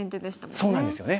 そうなんですよね。